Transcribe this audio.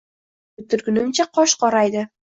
Ishni bitirgunimcha qosh qoraydi